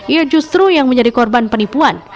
ia justru yang menjadi korban penipuan